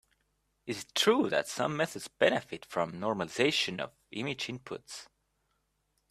It is true that some methods benefit from normalization of image inputs.